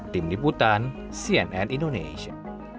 tim liputan cnn indonesia